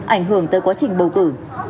ảnh hưởng tới quá trình bầu cử